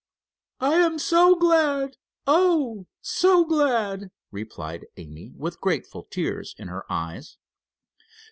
"I am so glad; oh, so glad," replied Amy, with grateful tears in her eyes.